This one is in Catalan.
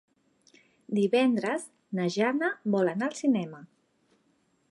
Divendres na Jana vol anar al cinema.